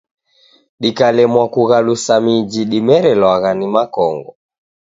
Dikalemwa kughalusa miji dimerelwagha ni makongo.